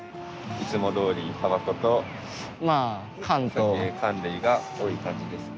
いつもどおり、たばことお酒缶類が多い感じですね。